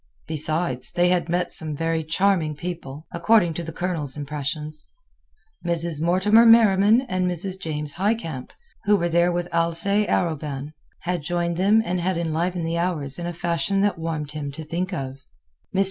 Besides, they had met some very charming people, according to the Colonel's impressions. Mrs. Mortimer Merriman and Mrs. James Highcamp, who were there with Alcée Arobin, had joined them and had enlivened the hours in a fashion that warmed him to think of. Mr.